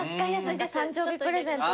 誕生日プレゼントとかに。